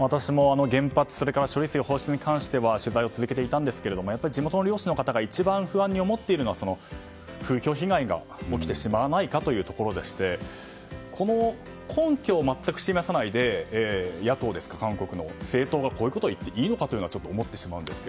私も原発と処理水放出に関して取材を続けていたんですが地元の漁師の方が一番不安に思っているのは風評被害が起きてしまわないかというところでこの根拠を全く示さないで野党、韓国の政党がこういうことを言っていいのかとちょっと思ってしまいますが。